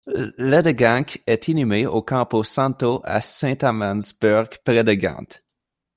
Ledeganck est inhumé au Campo Santo à Sint-Amandsberg, près de Gand.